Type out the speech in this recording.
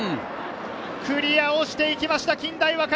クリアをしていきました、近大和歌山。